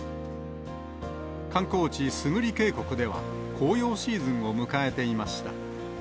観光地、巣栗渓谷では、紅葉シーズンを迎えていました。